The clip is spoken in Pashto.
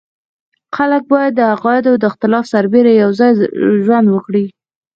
خلک باید د عقایدو د اختلاف سربېره یو ځای ژوند وکړي.